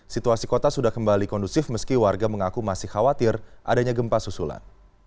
situasi kota sudah kembali kondusif meski warga mengaku masih khawatir adanya gempa susulan